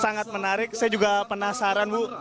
sangat menarik saya juga penasaran bu